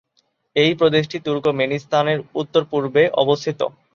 এই প্রদেশটি তুর্কমেনিস্তানের উত্তর-পূর্বে অবস্থিত।